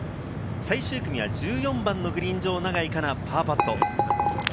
最終組は１４番のグリーン上、永井花奈のパーパット。